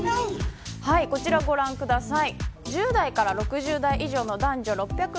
こちらご覧ください。